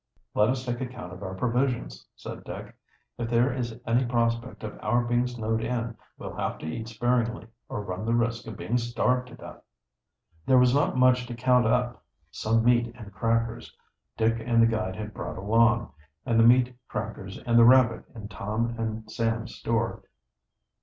"Let us take account of our provisions," said Dick. "If there is any prospect of our being snowed in we'll have to eat sparingly, or run the risk of being starved to death." There was not much to count up: some meat and crackers Dick and the guide had brought along, and the meat, crackers, and the rabbit in Tom and Sam's store.